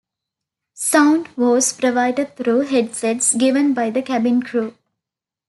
Sound was provided through headsets given by the cabin crew.